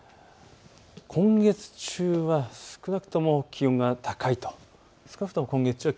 今月中は少なくとも気温が高いと。